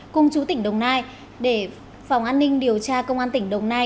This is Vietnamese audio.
cùng chú tỉnh đồng nai để phòng an ninh điều tra công an tỉnh đồng nai